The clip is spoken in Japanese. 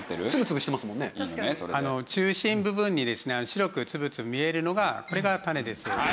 中心部分にですね白く粒々見えるのがこれが種です。